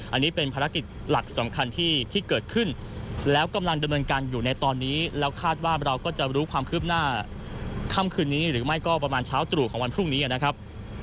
อันนี้เป็นภารกิจหลักสำคัญที่เกิดขึ้นแล้วกำลังดำเนินการอยู่ในตอนนี้แล้วคาดว่าเราก็จะรู้ความคืบหน้าค่ำคืนนี้หรือไม่ก็ประมาณเช้าตรู่ของวันพรุ่งนี้นะครับ